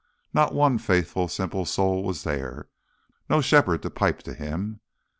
Not one faithful simple soul was there no shepherd to pipe to him!